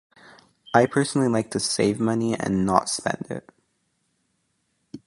I, personally, like to save money and not spend it.